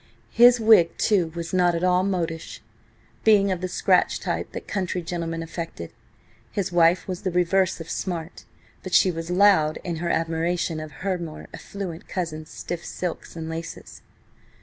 His wig, too, was not at all modish, being of the scratch type that country gentlemen affected. His wife was the reverse of smart, but she was loud in her admiration of her more affluent cousin's stiff silks and laces.